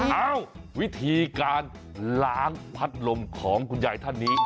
เอ้าวิธีการล้างพัดลมของคุณยายท่านนี้